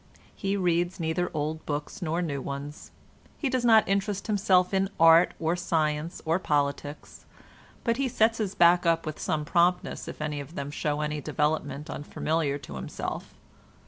He reads neither old books nor new ones. He does not interest himself in art or science or politics, but he sets his back up with some promptness if any of them show any development unfamiliar to himself.